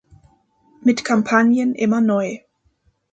Mit Kampagnen immer neu.